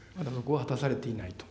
果たされていないと。